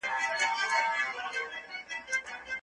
د هغوی حقونو ته پاملرنه وکړئ.